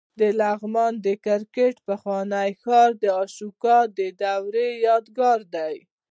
د لغمان د کرکټ پخوانی ښار د اشوکا د دورې یادګار دی